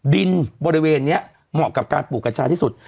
ดินบริเวณนี้เหมาะกับการปลูกกัญชาที่สุด